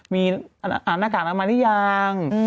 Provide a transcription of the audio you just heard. มีหน้ากากอนามัยหรือยัง